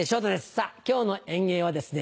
さぁ今日の演芸はですね